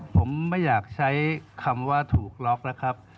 ผมไม่อยากใช้คำว่าถูกล็อกนะครับ